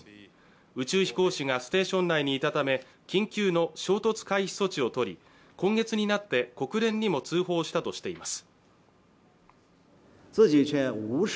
宇宙飛行士がステーション内にいたため緊急の衝突回避措置をとり、今月になって国連にも通報したとしています。